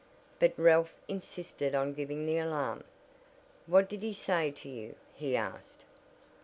But Ralph insisted on giving the alarm. "What did he say to you?" he asked.